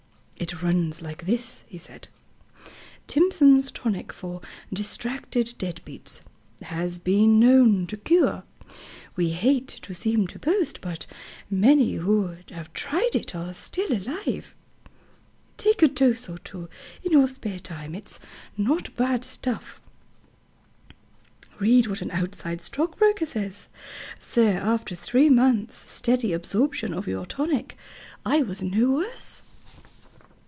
"It runs like this," he said: Timson's Tonic for Distracted Deadbeats Has been known to cure We Hate to Seem to Boast, but Many Who have Tried It Are Still Alive Take a Dose or Two in Your Spare Time It's Not Bad Stuff Read what an outside stockbroker says: "Sir After three months' steady absorption of your Tonic I was no worse."